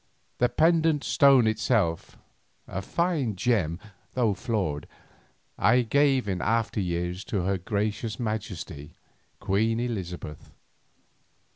The pendant stone itself, a fine gem though flawed, I gave in after years to her gracious majesty Queen Elizabeth.